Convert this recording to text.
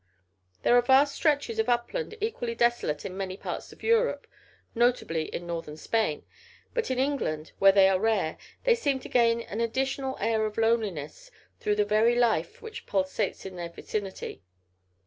There are vast stretches of upland equally desolate in many parts of Europe notably in Northern Spain but in England, where they are rare, they seem to gain an additional air of loneliness through the very life which pulsates in their vicinity.